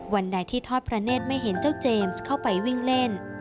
วันใดที่ทอดพระเนธไม่เห็นเจ้าเจมส์เข้าไปวิ่งเล่น